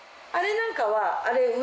あれなんかは。